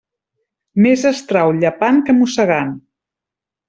Més es trau llepant que mossegant.